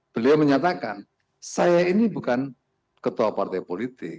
beliau menyatakan saya ini bukan ketua partai politik